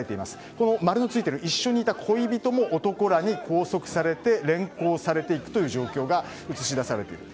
この丸のついている一緒にいた恋人も男らに拘束されて連行されていくという状況が映し出されている。